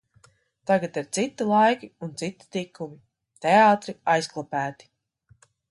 Tagad ir citi laiki un citi tikumi – teātri aizklapēti.